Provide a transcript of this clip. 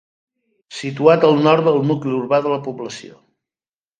Situat al nord del nucli urbà de la població.